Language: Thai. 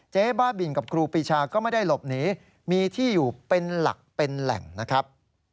บ้าบินกับครูปีชาก็ไม่ได้หลบหนีมีที่อยู่เป็นหลักเป็นแหล่งนะครับ